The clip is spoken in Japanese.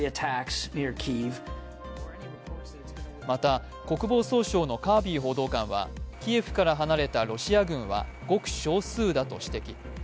また、国防総省のカービー報道官はキエフから離れたロシア軍はごく少数だと指摘。